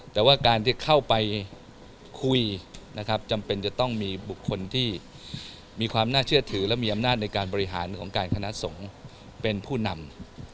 แต่ว่าการที่เข้าไปคุยนะครับจำเป็นจะต้องมีบุคคลที่มีความน่าเชื่อถือและมีอำนาจในการบริหารของการคณะสงฆ์เป็นผู้นำ